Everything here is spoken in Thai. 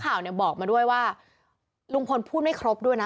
ทั้งหลวงผู้ลิ้น